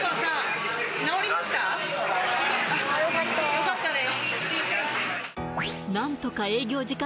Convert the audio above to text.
よかったです